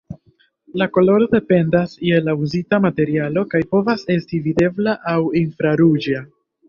La koloro dependas je la uzita materialo, kaj povas esti videbla aŭ infraruĝa.